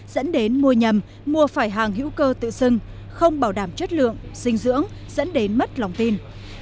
dẫn đến mua nhầm mua phải hàng hữu cơ tự xưng không bảo đảm chất lượng dinh dưỡng dẫn đến mất lòng tin